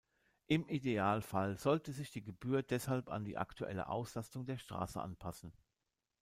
Im Idealfall sollte sich die Gebühr deshalb an die aktuelle Auslastung der Straße anpassen.